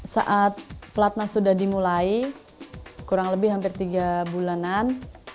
saat pelatna sudah dimulai kurang lebih hampir tiga bulanan